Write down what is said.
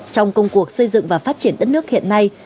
trong công cuộc xây dựng và phát triển đất nước hiện nay